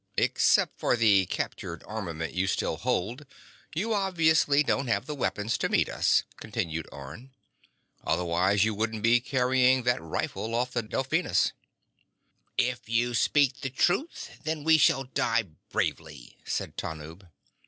"Except for the captured armament you still hold, you obviously don't have the weapons to meet us," continued Orne. "Otherwise, you wouldn't be carrying that rifle off the Delphinus." "If you speak the truth, then we shall die bravely," said Tanub.